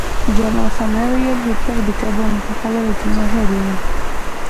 جمال خان وویل چې ته د کبابونو په پخولو کې ماهر یې